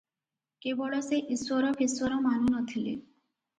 କେବଳ ସେ ଈଶ୍ୱର ଫିଶ୍ୱର ମାନୁ ନ ଥିଲେ ।